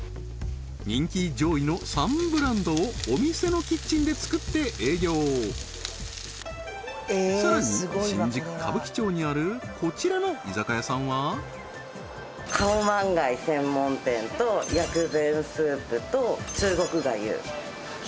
人気上位の３ブランドをお店のキッチンで作って営業さらに新宿・歌舞伎町にあるこちらの居酒屋さんはカオマンガイ専門店と薬膳スープと中国がゆ